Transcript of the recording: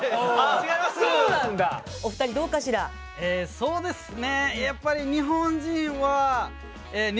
そうですね。